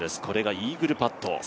これがイーグルパット。